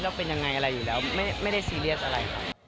เราเป็นอย่างยังไงอยู่แล้วไม่ได้ซีเรียสอะไร